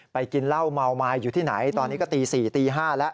กินเหล้าเมาไม้อยู่ที่ไหนตอนนี้ก็ตี๔ตี๕แล้ว